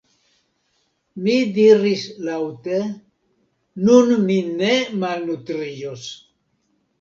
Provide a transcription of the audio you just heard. Mi diris laŭte: “nun mi ne malnutriĝos! »